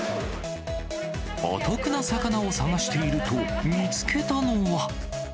お得な魚を探していると、見つけたのは。